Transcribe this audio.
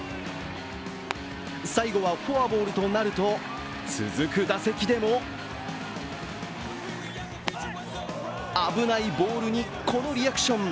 最後は、フォアボールとなると続く打席でも危ないボールにこのリアクション。